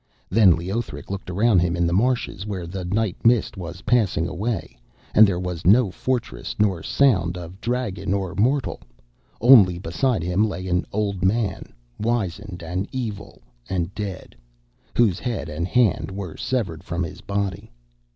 Then Leothric looked around him in the marshes where the night mist was passing away, and there was no fortress nor sound of dragon or mortal, only beside him lay an old man, wizened and evil and dead, whose head and hand were severed from his body.